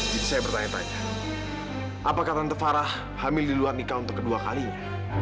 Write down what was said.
jadi saya bertanya tanya apakah tante farah hamil di luar nikah untuk kedua kalinya